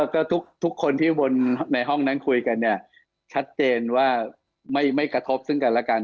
ก็ทุกคนที่วนในห้องนั้นคุยกันเนี่ยชัดเจนว่าไม่กระทบซึ่งกันแล้วกัน